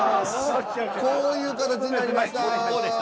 こういうかたちになりました。